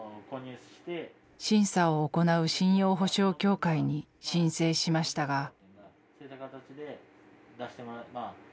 審査を行う信用保証協会に申請しましたが。